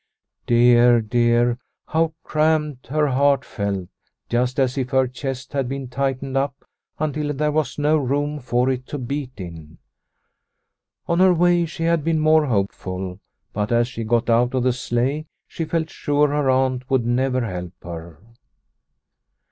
Dear, dear, how cramped her heart felt, just as if her chest had been tightened up until there was no room for it to beat in ! On her way she had been more hopeful, but as she got out of the sleigh she felt sure her aunt would never help her.